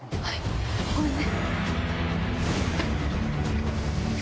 ごめんね。